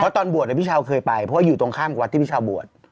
เพราะตอนบวชพี่เช้าเคยไปเพราะอยู่ตรงข้างกับวัดที่พี่เช้าบวช